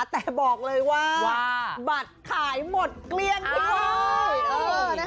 แต่บอกเลยว่าบัตรขายหมดเกลี้ยงไปเลย